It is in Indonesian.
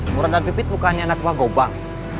mura dan pipi bukannya anak wagobang